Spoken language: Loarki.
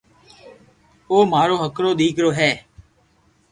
او مارو ھکرو ديڪرو ھي